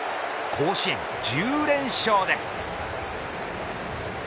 甲子園、１０連勝です。